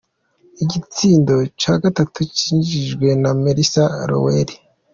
Igitsindo ca gatatu cinjijwe na Melissa Lawley.